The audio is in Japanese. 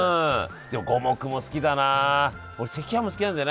でも五目も好きだな。